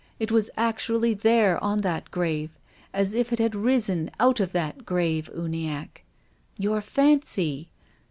It was actually there on that grave, as if it had risen out of that grave, Uniacke." " Your fancy."